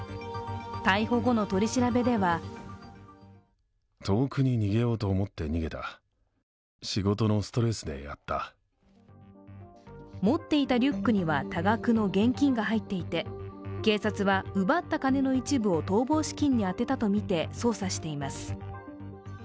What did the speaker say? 逮捕後の取り調べでは持っていたリュックには、多額の現金が入っていて警察は奪った金の一部を逃亡資金に充てたとみて捜査しています。